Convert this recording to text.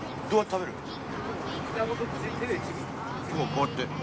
こうやって。